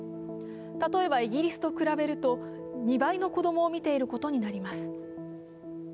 例えば、イギリスと比べると２倍の子供を見ていることになります。